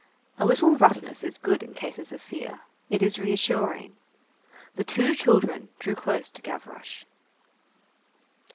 A little roughness is good in cases of fear. It is reassuring. The two children drew close to Gavroche.